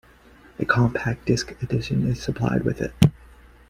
A compact disc edition is supplied with it.